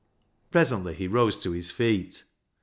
Presently he rose to his feet.